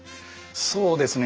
そうですね